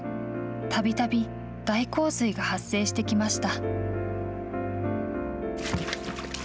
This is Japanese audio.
たびたび大洪水が発生してきました。